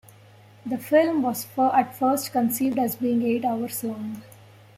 The film was at first conceived as being eight hours long.